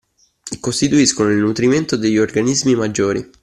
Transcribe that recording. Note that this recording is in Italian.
Costituiscono il nutrimento degli organismi maggiori.